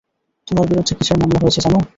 তোমার বিরুদ্ধে কিসের মামলা হয়েছে জানো?